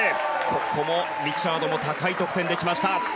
ここもリチャードも高い得点できました。